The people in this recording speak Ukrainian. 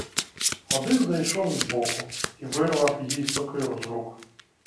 Один зайшов з боку і вирвав їй сокиру з рук.